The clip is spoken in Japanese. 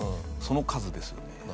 その数ですよね。